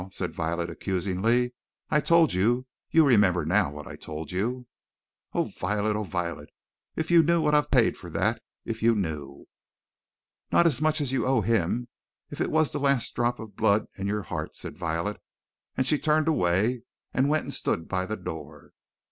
said Violet, accusingly. "I told you you remember now what I told you!" "O Violet, Violet! If you knew what I've paid for that if you knew!" "Not as much as you owe him, if it was the last drop of blood in your heart!" said Violet. And she turned away, and went and stood by the door.